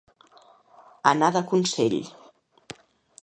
Anar de consell.